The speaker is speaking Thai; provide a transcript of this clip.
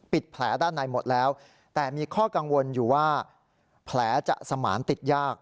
แผลด้านในหมดแล้วแต่มีข้อกังวลอยู่ว่าแผลจะสมานติดยาก